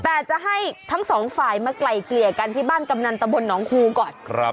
แต่จะให้ทั้งสองฝ่ายมาไกลเกลี่ยกันที่บ้านกำนันตะบนหนองคูก่อน